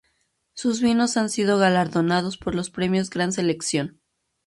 Sus vinos han sido galardonados por los premios Gran Selección.